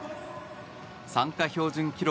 参加標準記録